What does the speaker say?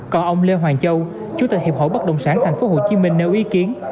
còn ông lê hoàng châu chủ tịch hiệp hội bất đồng sản tp hcm nêu ý kiến